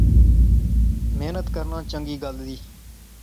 محنت کرنا چنگی گل زی